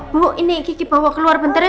bu ini gigi bawa keluar bentarnya